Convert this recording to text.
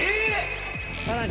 さらに！